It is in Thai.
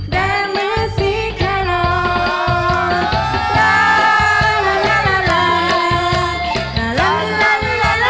แดบเหมือนสีคลอร์